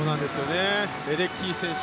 レデッキー選手